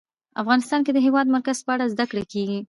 افغانستان کې د د هېواد مرکز په اړه زده کړه کېږي.